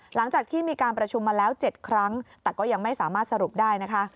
หลังจากที่มีการประชุมมาแล้ว๗ครั้งแต่ก็ยังไม่สามารถสรุปได้นะคะ